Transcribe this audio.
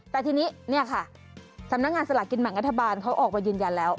แต่ทีนี้เนี่ยค่ะสำนักงานสลากินแบ่งรัฐบาลเขาออกมายืนยันแล้ว